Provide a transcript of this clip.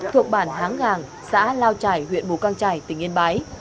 thuộc bản háng gàng xã lao trải huyện mù căng trải tỉnh yên bái